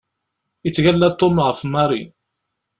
Yettgalla Tom ɣef Mary.